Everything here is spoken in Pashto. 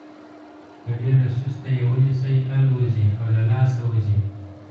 که ډېره سسته یې ونیسئ الوزي او له لاسه وځي.